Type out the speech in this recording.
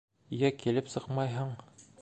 Йә килеп сыҡмайһың...